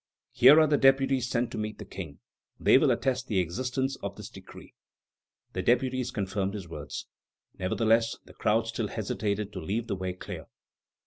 Here are the deputies sent to meet the King; they will attest the existence of this decree." The deputies confirmed his words. Nevertheless, the crowd still hesitated to leave the way clear.